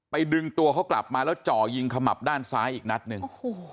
ดึงตัวเขากลับมาแล้วจ่อยิงขมับด้านซ้ายอีกนัดหนึ่ง